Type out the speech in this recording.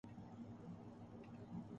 تھا روایات میں آتا ہے حسین بن علی کہتے تھے